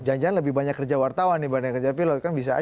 jangan jangan lebih banyak kerja wartawan dibanding kerja pilot kan bisa aja